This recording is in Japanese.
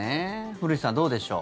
古市さん、どうでしょう。